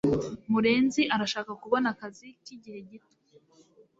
murenzi arashaka kubona akazi k'igihe gito